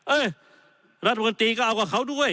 เอ้ยรัฐบันตรีก็เอากับเขาด้วย